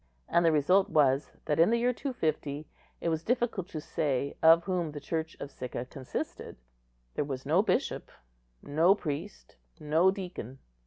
And the result was, that in the year 250 it was difficult to say of whom the Church of Sicca consisted. There was no bishop, no priest, no deacon.